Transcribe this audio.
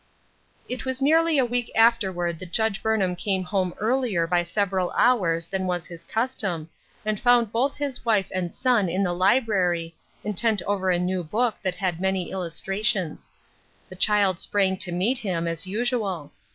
It was nearly a week afterward that Judge Burn ham came home earlier by several hours than was his custom, and found both his wife and son in the library, intent over a new book that had many illustrations. The child sprang to meet him as usual.